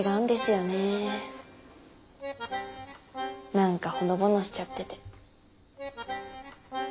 なんかほのぼのしちゃってて。